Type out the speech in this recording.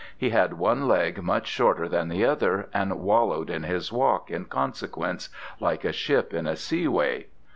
He had one leg much shorter than the other, and wallowed in his walk, in consequence, like a ship in a seaway.